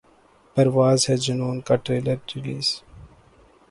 پرواز ہے جنون کا trailer release